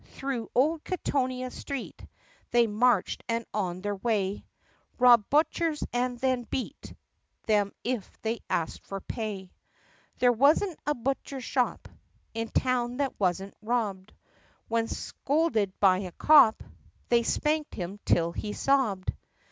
Through old Kittonia Street They marched, and on the way Robbed butchers and then beat Them if they asked for pay. There was n't a butcher shop In town that was n't robbed ; When scolded by a cop They spanked him till he sobbed.